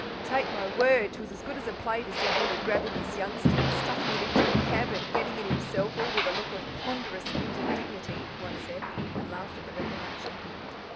"Take my word, 'twas as good as a play to see Wooly grabbing his youngster, and stuffing it into a cab, and getting in himself, all with a look of ponderous injured dignity," one said, and laughed at the recollection.